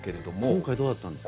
今回どうだったんですか？